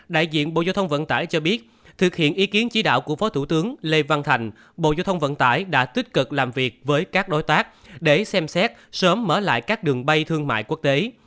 đại diện bộ giao thông vận tải cho biết thực hiện ý kiến chỉ đạo của phó thủ tướng lê văn thành bộ giao thông vận tải đã tích cực làm việc với các đối tác để xem xét sớm mở lại các đường bay thương mại quốc tế